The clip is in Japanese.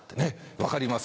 分かります？